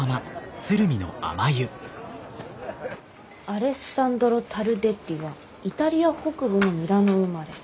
アレッサンドロ・タルデッリはイタリア北部のミラノ生まれ。